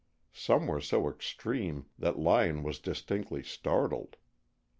Some were so extreme that Lyon was distinctly startled.